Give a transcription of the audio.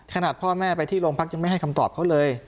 ขนาดพ่อแม่ไปที่โรงพักยังไม่ให้คำตอบเขาเลย